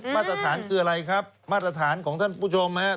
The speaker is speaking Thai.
มาตรฐานคืออะไรครับมาตรฐานของท่านผู้ชมครับ